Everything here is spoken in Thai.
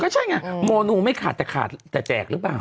ใช่ไงโมนูไม่ขาดแต่ขาดแต่แจกหรือเปล่า